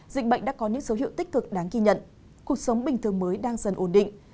dịch bệnh đã có những dấu hiệu tích cực đáng ghi nhận cuộc sống bình thường mới đang dần ổn định